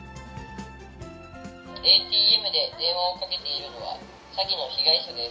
ＡＴＭで電話をかけているのは、詐欺の被害者です。